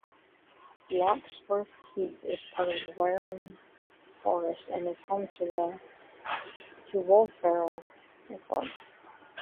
Bloxworth Heath is part of Wareham Forest and is home to Woolsbarrow Hillfort.